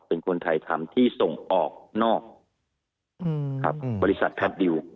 เป็นคนไทยทำที่ส่งออกนอกครับบริษัทแพทย์ดิว